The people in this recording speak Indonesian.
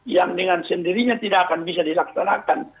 yang dengan sendirinya tidak akan bisa dilaksanakan